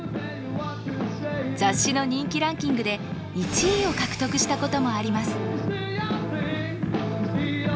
雑誌の人気ランキングで１位を獲得したこともあります